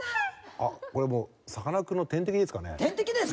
あっこれもうさかなクンの天敵ですかね。